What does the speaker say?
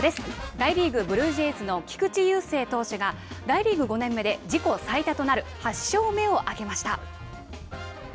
大リーグ、ブルージェイズの菊池雄星投手が大リーグ５年目で自己最多となる８勝目を挙げました。